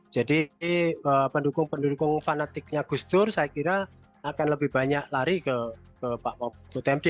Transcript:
jadi pendukung pendukung fanatiknya gus dur saya kira akan lebih banyak lari ke pak put md